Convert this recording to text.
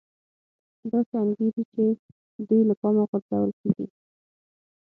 داسې انګېري چې دوی له پامه غورځول کېږي